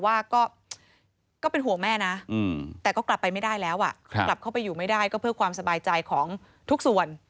ว่าก็เป็นห่วงแม่นะแต่ก็กลับไปไม่ได้แล้วกลับเข้าไปอยู่ไม่ได้ก็เพื่อความสบายใจของทุกส่วน